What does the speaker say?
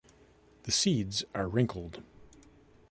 The seeds are wrinkled.